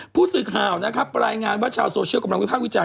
ผู้สื่อข่าวนะครับรายงานว่าชาวโซเชียลกำลังวิภาควิจารณ